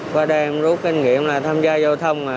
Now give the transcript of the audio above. qua đây em rút kinh nghiệm là tham gia giao thông